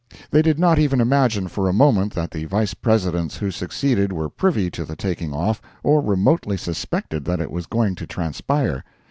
They did not even imagine for a moment that the Vice Presidents who succeeded were privy to the taking off, or remotely suspected that it was going to transpire.